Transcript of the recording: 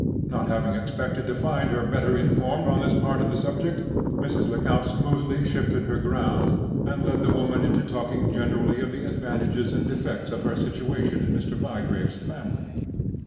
Not having expected to find her better informed on this part of the subject, Mrs. Lecount smoothly shifted her ground, and led the woman into talking generally of the advantages and defects of her situation in Mr. Bygrave's family.